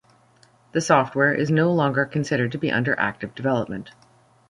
The software is no longer considered to be under active development.